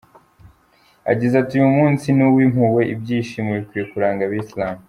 Yagize ati “Uyu munsi ni uw’impuhwe n’ibyishimo bikwiye kuranga abayisilamu.